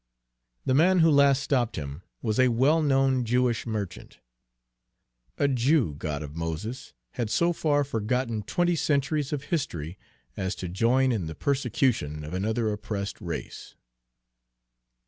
The man who last stopped him was a well known Jewish merchant. A Jew God of Moses! had so far forgotten twenty centuries of history as to join in the persecution of another oppressed race!